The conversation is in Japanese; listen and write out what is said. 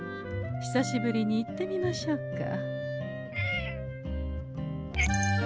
久しぶりに行ってみましょうか。